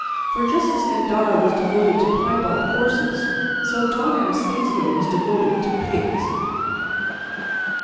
For just as Gandara was devoted to piebald horses, so Don Anastacio was devoted to pigs.